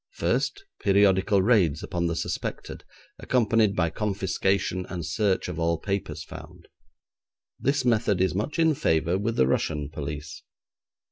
First, periodical raids upon the suspected, accompanied by confiscation and search of all papers found. This method is much in favour with the Russian police.